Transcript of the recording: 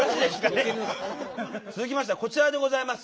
続きましてはこちらでございます。